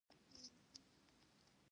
د ولس ژبه تر ټولو کره ژبه ده.